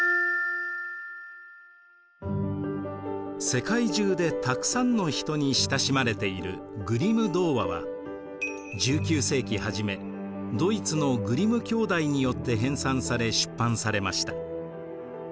世界中でたくさんの人に親しまれている「グリム童話」は１９世紀初めドイツのグリム兄弟によって編纂され出版されました。